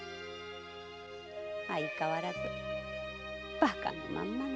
相変わらずバカのまんまの男だわ。